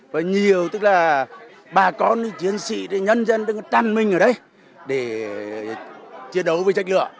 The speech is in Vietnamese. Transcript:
và nhiều tức là bà con chiến sĩ nhân dân đang trăn mình ở đây để chiến đấu với trạch lửa